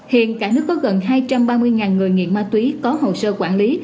hiện cả nước có gần hai trăm ba mươi người nghiện ma túy có hồ sơ quản lý